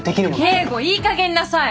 京吾いいかげんになさい！